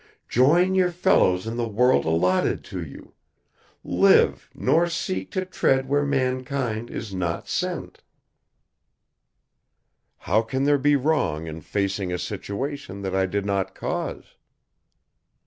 Join your fellows in the world alloted to you; live, nor seek to tread where mankind is not sent." "How can there be wrong in facing a situation that I did not cause?"